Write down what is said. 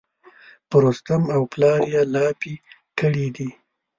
په رستم او پلار یې لاپې کړي دي.